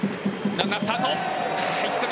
ランナースタート。